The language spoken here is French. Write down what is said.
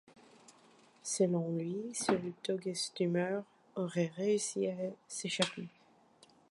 Selon lui, seul Togustemur aurait réussi à s'échapper.